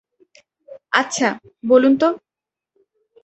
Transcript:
আচ্ছা, বলুন তো।